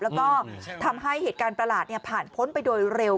แล้วก็ทำให้เหตุการณ์ประหลาดผ่านพ้นไปโดยเร็ว